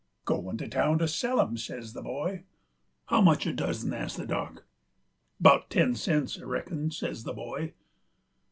"Goin' to town to sell 'em," says the boy. "How much a dozen?" asked the Dock. "'Bout ten cents, I reckon," says the boy.